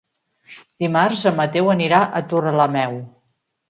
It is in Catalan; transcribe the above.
Dimarts en Mateu anirà a Torrelameu.